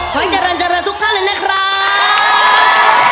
เจริญเจริญทุกท่านเลยนะครับ